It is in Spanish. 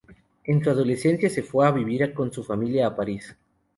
En su adolescencia, se fue a vivir con su familia a París.